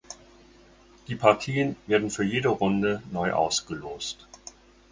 Die Partien werden für jede Runde neu ausgelost.